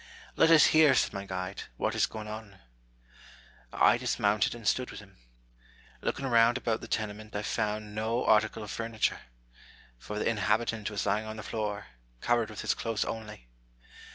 " Let us hear," said my guide, " what is going on." I dismounted and stood with him. Looking round about the tenement, I found no article of furniture ; for the in habitant was lying on the floor, covered with his clothes only.